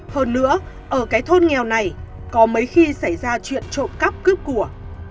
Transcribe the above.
hơn nữa ở cái thôn nghèo này có mấy khi xảy ra chuyện trộm cắp cướp của